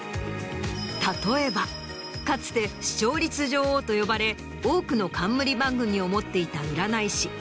例えばかつて視聴率女王と呼ばれ多くの冠番組を持っていた占い師